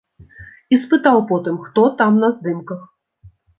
І спытаў потым, хто там на здымках.